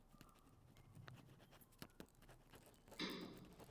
The narrative structure of "Tongues Untied" is both interesting and unconventional.